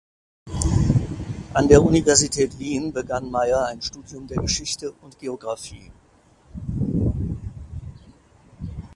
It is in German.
An der Universität Wien begann Mayr ein Studium der Geschichte und Geographie.